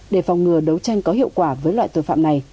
để phòng ngừa đấu tranh có hiệu quả với loại tội phạm này